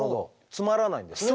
詰まらないんですね